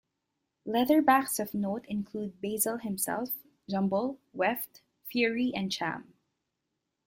Leatherbacks of note include Bazil himself, Jumble, Weft, Fury, and Cham.